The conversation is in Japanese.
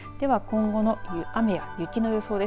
では今後の雨や雪の予想です。